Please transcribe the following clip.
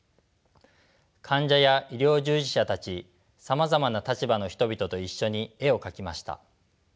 患者や医療従事者たちさまざまな立場の人々と一緒に絵を描きました。